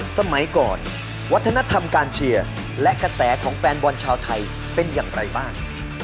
สมัยก่อนวัฒนธรรมการเชียร์และกระแสของแฟนบอลชาวไทยเป็นอย่างไรบ้าง